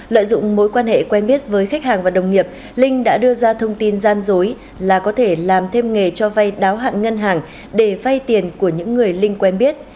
lợi dụng mối quan hệ quen biết với khách hàng và đồng nghiệp linh đã đưa ra thông tin gian dối là có thể làm thêm nghề cho vay đáo hạn ngân hàng để vay tiền của những người linh quen biết